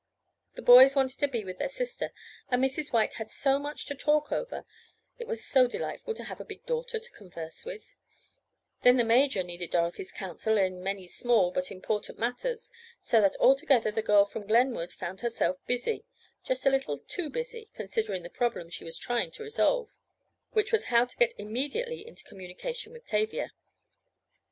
The boys wanted to be with their sister, and Mrs. White had so much to talk over (it was so delightful to have a "big daughter" to converse with), then the major needed Dorothy's counsel in many small, but important matters, so that, altogether, the girl from Glenwood found herself busy—just a little too busy, considering the problem she was trying to solve, which was how to get immediately into communication with Tavia.